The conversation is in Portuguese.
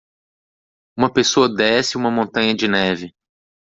Uma pessoa desce uma montanha de neve.